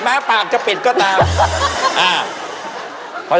ปากจะปิดก็ตาม